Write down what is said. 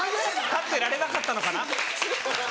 立ってられなかったのかな？